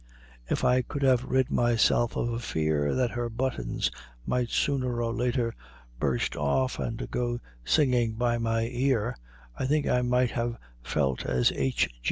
If I could have rid myself of a fear that her buttons might sooner or later burst off and go singing by my ear, I think I might have felt as H.